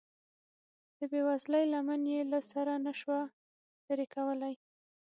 د بې وزلۍ لمن یې له سره نشوه لرې کولی.